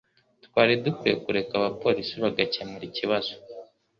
Twari dukwiye kureka abapolisi bagakemura ikibazo